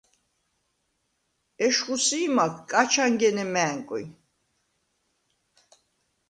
ეშხუ სი̄მაქ კაჩ ანგენე მა̄̈ნკვი.